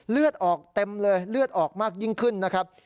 เลือดออกเต็มเลยเลือดออกมากยิ่งขึ้นนะครับ